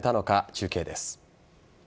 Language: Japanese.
中継です。